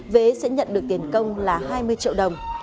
vé sẽ nhận được tiền công là hai mươi triệu đồng